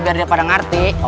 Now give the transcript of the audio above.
biar dia pada ngerti